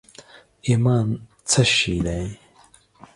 ایمان څه شي دي؟